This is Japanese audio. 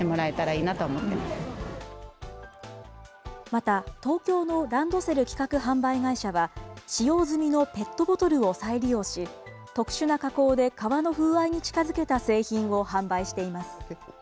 また、東京のランドセル企画・販売会社は、使用済みのペットボトルを再利用し、特殊な加工で皮の風合いに近づけた製品を販売しています。